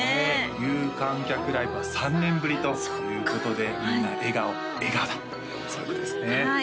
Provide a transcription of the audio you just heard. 有観客ライブは３年ぶりということでみんな笑顔笑顔だったそういうことですね